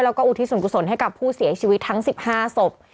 แล้วก็อุทิศส่วนกุศลให้กับผู้เสียชีวิตทั้ง๑๕ศพ